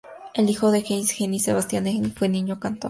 El hijo de Heinz Hennig, Sebastian Hennig, fue niño cantor.